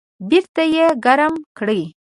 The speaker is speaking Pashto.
بیرته یې ګرم کړئ